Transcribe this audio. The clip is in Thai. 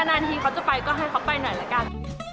นาทีเขาจะไปก็ให้เขาไปหน่อยละกัน